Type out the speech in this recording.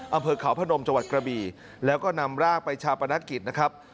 อำเภอเขาพนมจังหวัดกระบี่แล้วก็นำร่างไปชาปนกิจนะครับ